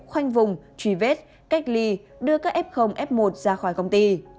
khoanh vùng truy vết cách ly đưa các f f một ra khỏi công ty